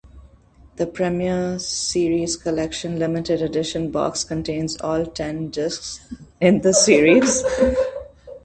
The Premier Series Collection Limited Edition Box contains all ten discs in the series.